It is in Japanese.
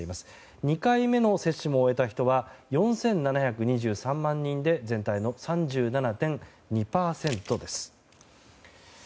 ２回目の接種も終えた人は４７２３万人で全体の３７．２％です。